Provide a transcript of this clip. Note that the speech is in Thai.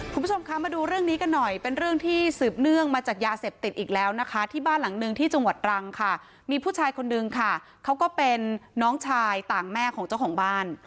คุณผู้ชมคะมาดูเรื่องนี้กันหน่อยเป็นเรื่องที่สืบเนื่องมาจากยาเสพติดอีกแล้วนะคะที่บ้านหลังนึงที่จังหวัดตรังค่ะมีผู้ชายคนนึงค่ะเขาก็เป็นน้องชายต่างแม่ของเจ้าของบ้าน